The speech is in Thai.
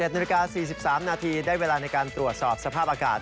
๑นาฬิกา๔๓นาทีได้เวลาในการตรวจสอบสภาพอากาศ